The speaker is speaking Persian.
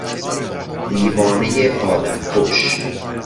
دیوانهی آدمکش